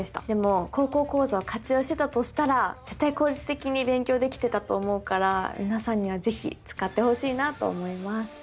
でも「高校講座」を活用してたとしたら絶対効率的に勉強できてたと思うから皆さんには是非使ってほしいなと思います。